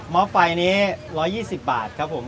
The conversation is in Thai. ้อไฟนี้๑๒๐บาทครับผม